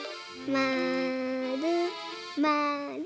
まるまる。